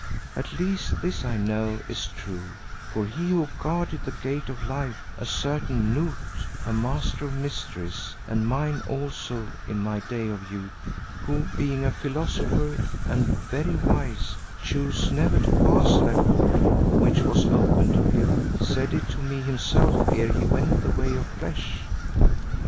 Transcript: At least this I know is true, for he who guarded the Gate of Life, a certain Noot, a master of mysteries, and mine also in my day of youth, who being a philosopher and very wise, chose never to pass that portal which was open to him, said it to me himself ere he went the way of flesh.